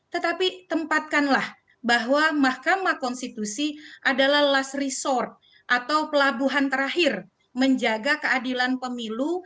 tetapi tempatkanlah bahwa mahkamah konstitusi adalah last resort atau pelabuhan terakhir menjaga keadilan pemilu